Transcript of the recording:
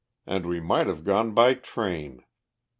And we might have gone by train!